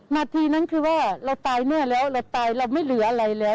นาทีนั้นคือว่าเราตายเมื่อแล้วเราตายเราไม่เหลืออะไรแล้ว